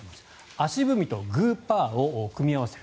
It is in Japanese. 足踏みとグーパーを組み合わせる。